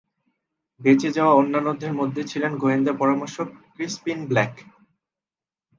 বেঁচে যাওয়া অন্যান্যদের মধ্যে ছিলেন গোয়েন্দা পরামর্শক ক্রিসপিন ব্ল্যাক।